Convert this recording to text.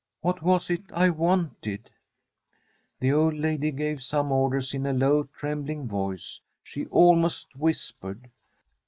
* What was it I wanted ?' The old lady gave some orders in a low, trembling voice. She almost whispered.